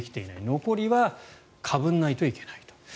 残りはかぶらないといけないと。